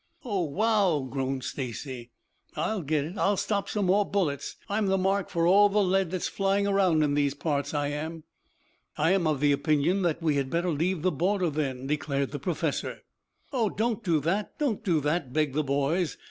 "Oh, wow!" groaned Stacy. "I'll get it! I'll stop some more bullets. I'm the mark for all the lead that's flying around in these parts, I am!" "I am of the opinion that we had better leave the border then," declared the professor. "Oh, don't do that, don't do that," begged the boys.